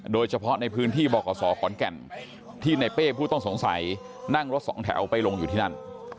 โดยเฉพาะในพื้นที่บขศขอนแก่นที่ในเป้ผู้ต้องสงสัยนั่งรถสองแถวไปลงอยู่ที่นั่น